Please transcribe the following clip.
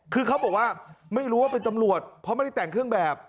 คือเขาบอกว่าไม่รู้ว่าเป็นตำรวจเพราะไม่ได้แต่งเครื่องแบบ